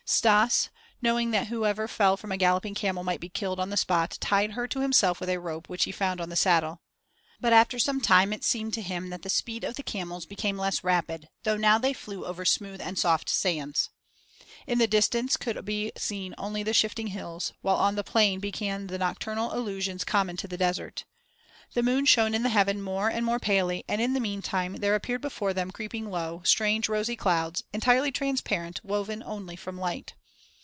Stas, knowing that whoever fell from a galloping camel might be killed on the spot, tied her to himself with a rope which he found on the saddle. But after some time it seemed to him that the speed of the camels became less rapid, though now they flew over smooth and soft sands. In the distance could be seen only the shifting hills, while on the plain began the nocturnal illusions common to the desert. The moon shone in the heaven more and more palely and in the meantime there appeared before them, creeping low, strange rosy clouds, entirely transparent, woven only from light.